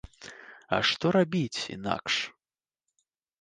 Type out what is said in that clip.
А што рабіць інакш?